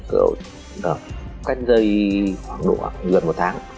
cách đây gần một tháng